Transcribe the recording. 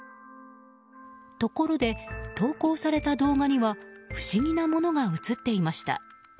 ところで、投稿された動画には不思議なものが映っていました。